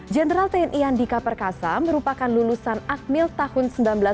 jenderal tni andika perkasa merupakan lulusan akmil tahun seribu sembilan ratus sembilan puluh